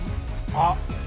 あっ！